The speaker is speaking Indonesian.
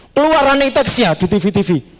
keluaran e textnya di tv tv